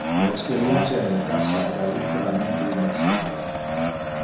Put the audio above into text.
Le experientia in le cassa era literalmente immersive.